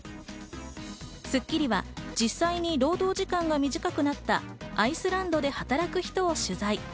『スッキリ』は実際に労働時間が短くなったアイスランドで働く人を取材。